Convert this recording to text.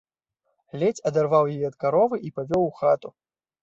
Ледзь адарваў яе ад каровы і павёў у хату.